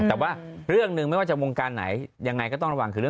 ก็จะเป็นโอกาสที่ทำให้เกิดมีชื่อเสียงมีความสำเร็จที่ดีเข้ามา